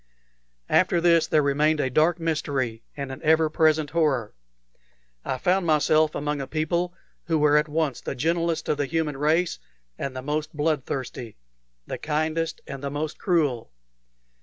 After this there remained a dark mystery and an ever present horror. I found myself among a people who were at once the gentlest of the human race and the most blood thirsty the kindest and the most cruel.